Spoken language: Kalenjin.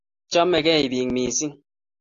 chamegei pik missing